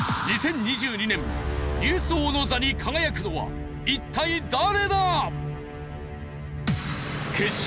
２０２２年ニュース王の座に輝くのは一体誰だ！？